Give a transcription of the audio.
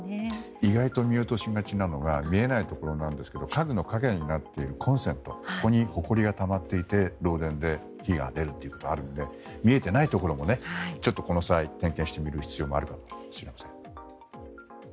意外と見落としがちなのが見えないところなんですが家具の影になっているコンセントにほこりがたまっていて漏電で火が出るということがあるので見えていないところもこの際に点検してみる必要もあるかもしれません。